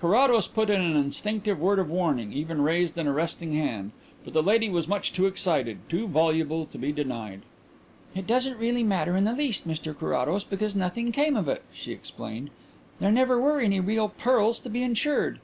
Carrados put in an instinctive word of warning, even raised an arresting hand, but the lady was much too excited, too voluble, to be denied. "It doesn't really matter in the least, Mr Carrados, because nothing came of it," she explained. "There never were any real pearls to be insured.